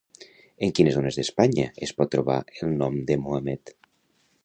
En quines zones d'Espanya es pot trobar el nom de Mohamet?